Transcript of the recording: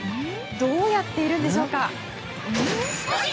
どうやっているんでしょうか。